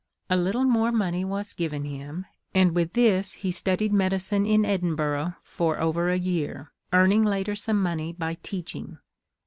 A little more money was given him, and with this he studied medicine in Edinburgh for over a year, earning later some money by teaching.